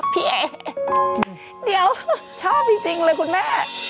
พี่เอ๋เสียวชอบจริงเลยคุณแม่